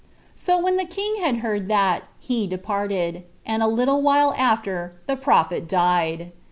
So when the king had heard that, he departed; and a little while after the prophet died.